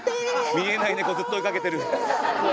見えない猫ずっと追いかけてる。